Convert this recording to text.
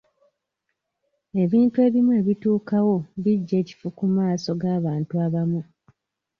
Ebintu ebimu ebituukawo bijja ekifu ku maaso g'abantu abamu.